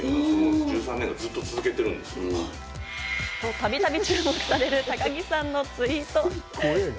たびたび注目される高木さんのツイート。